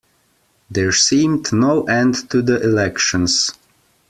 There seemed no end to the elections.